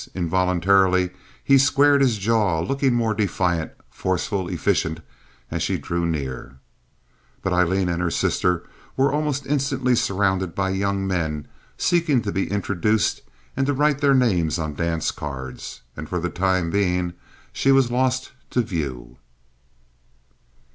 Involuntarily he squared his jaw, looking more defiant, forceful, efficient, as she drew near. But Aileen and her sister were almost instantly surrounded by young men seeking to be introduced and to write their names on dance cards, and for the time being she was lost to view.